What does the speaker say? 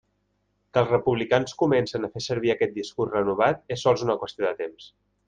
Que els republicans comencen a fer servir aquest discurs renovat és sols una qüestió de temps.